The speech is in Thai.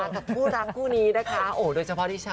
กับคู่รักคู่นี้นะคะโอ้โดยเฉพาะดิฉัน